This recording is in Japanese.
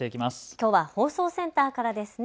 きょうは放送センターからですね。